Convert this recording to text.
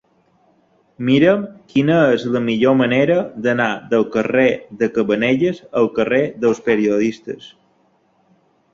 Mira'm quina és la millor manera d'anar del carrer de Cabanelles al carrer dels Periodistes.